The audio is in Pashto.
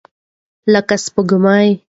لکه سپوږمۍ.